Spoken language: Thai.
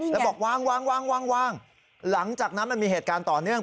แล้วบอกวางวางหลังจากนั้นมันมีเหตุการณ์ต่อเนื่อง